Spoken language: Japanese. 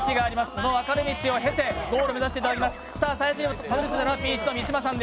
その分かれ道を経てゴールを目指していただきます。